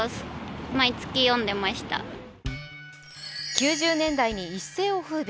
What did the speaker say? ９０年代に一世をふうび。